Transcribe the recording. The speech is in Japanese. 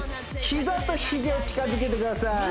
膝とひじを近づけてください